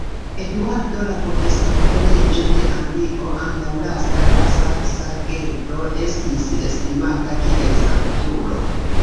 Eduardo la Konfesanto, reĝo de Anglio, antaŭlasta de saksa gento, estis estimata kiel sanktulo.